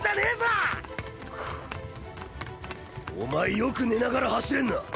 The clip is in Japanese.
お前よく寝ながら走れんな。